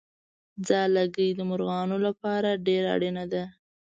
ځالګۍ د مرغانو لپاره ډېره اړینه ده.